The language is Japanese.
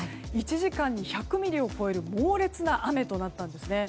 １時間に１００ミリを超える猛烈な雨となったんですね。